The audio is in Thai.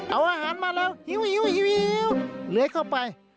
เอาอาหารมาแล้วหิวเหลือยเข้าไป